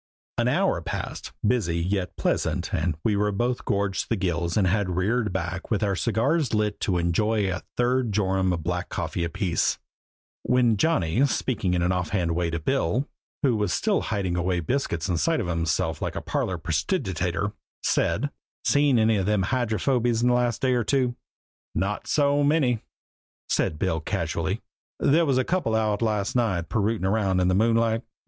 An hour passed busy, yet pleasant and we were both gorged to the gills and had reared back with our cigars lit to enjoy a third jorum of black coffee apiece, when Johnny, speaking in an offhand way to Bill, who was still hiding away biscuits inside of himself like a parlor prestidigitator, said: "Seen any of them old Hydrophobies the last day or two?" "Not so many," said Bill casually. "There was a couple out last night pirootin' round in the moonlight.